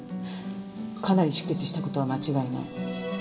かなり出血した事は間違いない。